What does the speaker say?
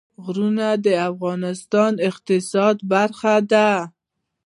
غرونه د افغانستان د اقتصاد برخه ده.